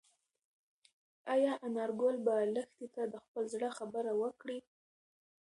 ایا انارګل به لښتې ته د خپل زړه خبره وکړي؟